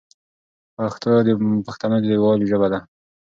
پښتو د پښتنو د یووالي ژبه ده.